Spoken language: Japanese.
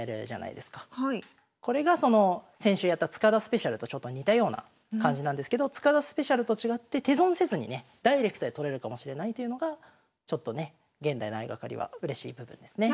これがその先週やった塚田スペシャルとちょっと似たような感じなんですけど塚田スペシャルと違って手損せずにねダイレクトで取れるかもしれないというのが現代の相掛かりはうれしい部分ですね。